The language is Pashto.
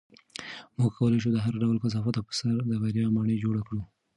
موږ کولی شو د هر ډول کثافاتو په سر د بریا ماڼۍ جوړه کړو.